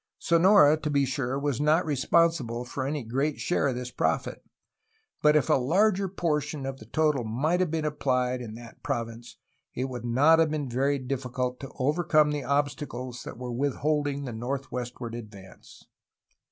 Sonora, to be sure, was not responsible for any great share of this profit, but if a larger portion of the total might have been appHed in that province it would not have been very difficult to overcome the obstacles that were withholding the northwestward advance.